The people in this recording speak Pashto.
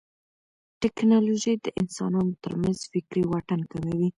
ټیکنالوژي د انسانانو ترمنځ فکري واټن کموي.